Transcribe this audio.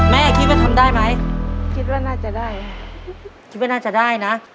แม่คิดว่าทำได้ไหมคิดว่าน่าจะได้คิดว่าน่าจะได้นะ